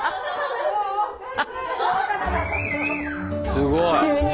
すごい。